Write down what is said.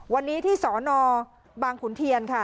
วันนี้ที่สนบางขุนเทียนค่ะ